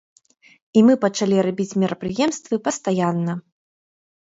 І мы пачалі рабіць мерапрыемствы пастаянна.